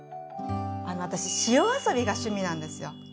私塩遊びが趣味なんですよ。